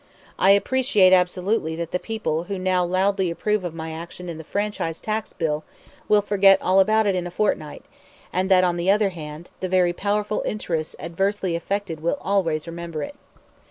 I appreciate absolutely that the people who now loudly approve of my action in the franchise tax bill will forget all about it in a fortnight, and that, on the other hand, the very powerful interests adversely affected will always remember it.